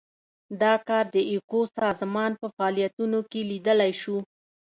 دا کار د ایکو سازمان په فعالیتونو کې لیدلای شو.